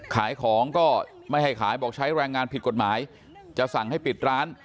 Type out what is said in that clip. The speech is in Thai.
ขายของก็ไม่ให้ขายบอกใช้แรงงานผิดกฎหมายจะสั่งให้ปิดร้าน